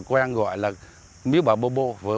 người ta gọi là miếu bà bô bô